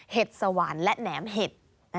สวรรค์และแหนมเห็ด